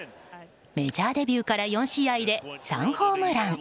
メジャーデビューから４試合で３ホームラン。